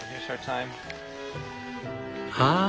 ああ。